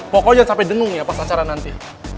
pokoknya jangan sampe dengung ya pas acara nanti